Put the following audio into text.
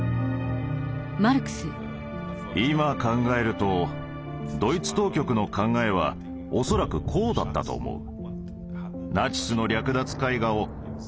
今考えるとドイツ当局の考えは恐らくこうだったと思う。